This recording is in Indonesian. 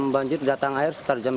banjir datang air sekitar jam empat